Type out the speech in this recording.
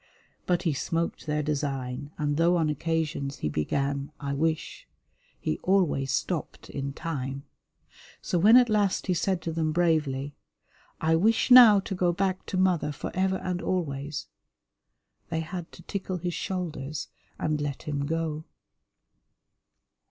But he smoked their design, and though on occasions he began, "I wish " he always stopped in time. So when at last he said to them bravely, "I wish now to go back to mother for ever and always," they had to tickle his shoulders and let him go.